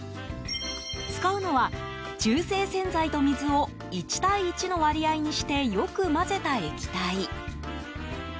使うのは、中性洗剤と水を１対１の割合にしてよく混ぜた液体。